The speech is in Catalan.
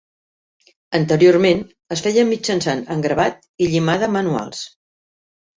Anteriorment, es feia mitjançant engravat i llimada manuals.